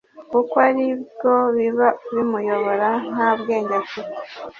Kuko ari byo biba bimuyobora nta bwenge afite